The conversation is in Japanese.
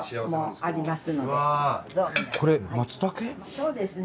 そうですね。